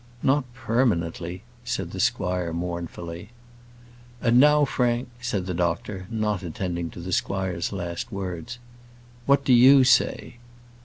"Not permanently," said the squire mournfully. "And now, Frank," said the doctor, not attending to the squire's last words, "what do you say?"